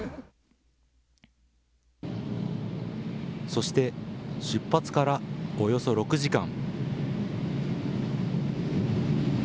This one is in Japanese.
そして、出発からおよそ６時間。